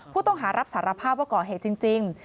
ผู้ต้องหารับสารภาพว่าก่อเหตุจริง